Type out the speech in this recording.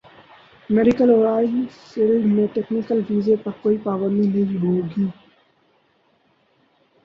medical اور oil field میں technical visa پر کوئی پابندی نہیں ہوگی